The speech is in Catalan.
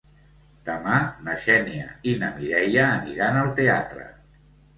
Demà na Xènia i na Mireia aniran al teatre.